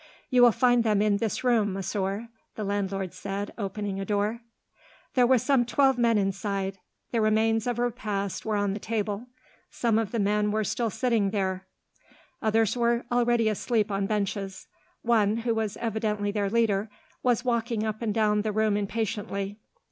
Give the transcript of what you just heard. "You will find them in this room, monsieur," the landlord said, opening a door. There were some twelve men inside. The remains of a repast were on the table. Some of the men were still sitting there, others were already asleep on benches. One, who was evidently their leader, was walking up and down the room impatiently.